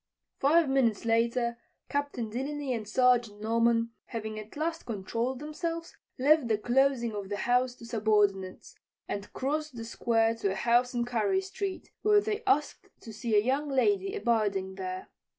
Five minutes later Captain Delany and Sergeant Norman, having at last controlled themselves, left the closing of the house to subordinates and crossed the square to a house on Carey street, where they asked to see a young lady abiding there.